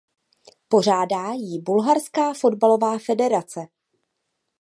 Pořádá ji Bulharská fotbalová federace.